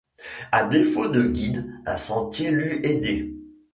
À défaut de guide, un sentier l’eût aidé.